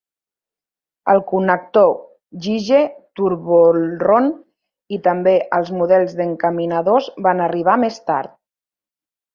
El connector GigE TurboIron, i també els models d'encaminadors van arribar més tard.